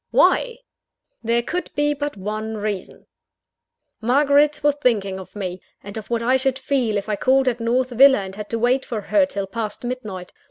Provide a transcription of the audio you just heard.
Why? There could be but one reason. Margaret was thinking of me, and of what I should feel if I called at North Villa, and had to wait for her till past midnight.